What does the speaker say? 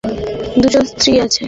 দুজন স্ত্রী আছে।